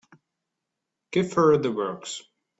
Give her the works.